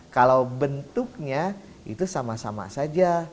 kalau bentuknya itu sama sama saja